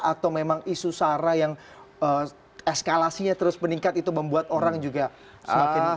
atau memang isu sara yang eskalasinya terus meningkat itu membuat orang juga semakin